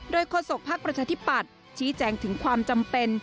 โดยโฆษกภักดิ์ประชาธิปัตย์ชี้แจงถึงความจำเป็น